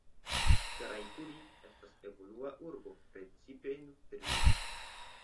Karaikudi estas evolua urbo precipe industrie.